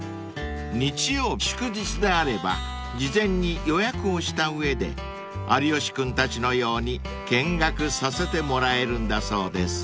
［日曜祝日であれば事前に予約をした上で有吉君たちのように見学させてもらえるんだそうです］